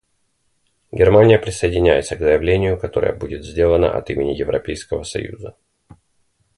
Германия присоединяется к заявлению, которое будет сделано от имени Европейского Союза.